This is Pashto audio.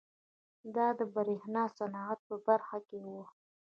دا د برېښنا صنعت په برخه کې وه.